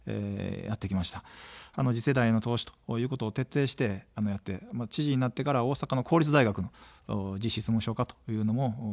次世代への投資ということを徹底してやって、知事になってから大阪の公立大学も実質無償化というのもやりました。